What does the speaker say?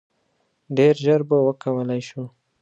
ډیر ژر به وکولای شو.